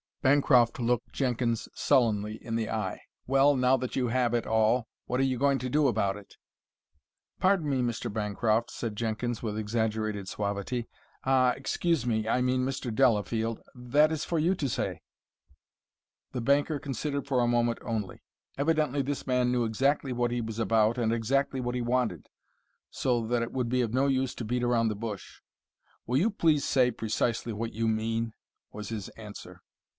Bancroft looked Jenkins sullenly in the eye. "Well, now that you have it all, what are you going to do about it?" "Pardon me, Mr. Bancroft," said Jenkins with exaggerated suavity, "ah, excuse me, I mean Mr. Delafield that is for you to say." The banker considered for a moment only. Evidently this man knew exactly what he was about and exactly what he wanted, so that it would be of no use to beat around the bush. "Will you please say precisely what you mean?" was his answer.